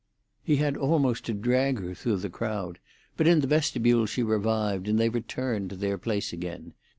He had almost to drag her through the crowd, but in the vestibule she revived, and they returned to their place again.